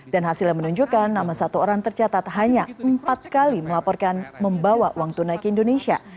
dan hasilnya menunjukkan nama satu orang tercatat hanya empat kali melaporkan membawa uang tunai ke indonesia